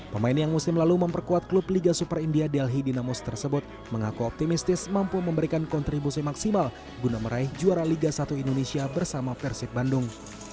pemain yang musim lalu memperkuat klub liga super india delhi dinamos tersebut mengaku optimistis mampu memberikan kontribusi maksimal guna meraih juara liga satu indonesia bersama persib bandung